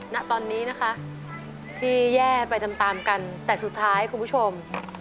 ณตอนนี้นะคะที่แย่ไปตามตามกันแต่สุดท้ายคุณผู้ชม